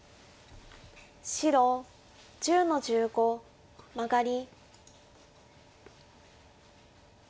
白１０の十五マガリ。